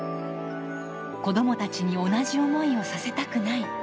子供たちに同じ思いをさせたくない。